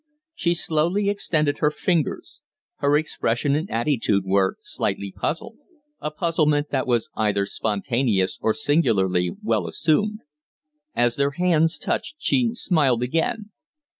She slowly extended her fingers. Her expression and attitude were slightly puzzled a puzzlement that was either spontaneous or singularly well assumed. As their hands touched she smiled again.